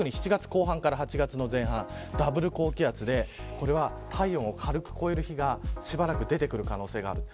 特に７月後半から８月の前半ダブル高気圧で体温を軽く超える日がしばらく出てくる可能性がある。